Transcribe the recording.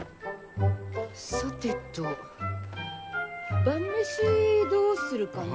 さてと晩飯どうするかね？